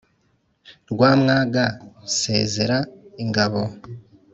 rwamwaga nsezera ingabo.